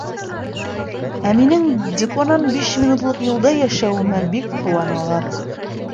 Ә минең депонан биш минутлыҡ юлда йәшәүемә бик ҡыуаналар.